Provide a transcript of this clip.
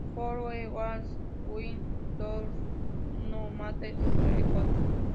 For we shall win through, no matter the cost.